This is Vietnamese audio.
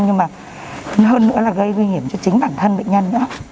nhưng mà hơn nữa là gây nguy hiểm cho chính bản thân bệnh nhân nữa